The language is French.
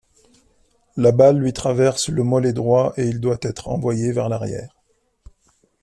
La balle lui traverse le mollet droit et il doit être envoyé vers l'arrière.